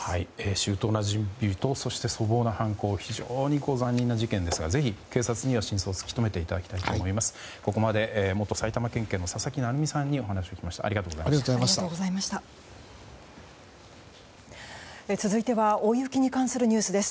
周到な準備と粗暴な犯行非常に残忍な事件ですがぜひ警察には真相を突き止めていただきたいと思います。